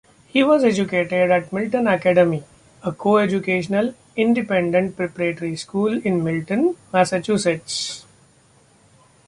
He was educated at Milton Academy, a coeducational, independent preparatory school in Milton, Massachusetts.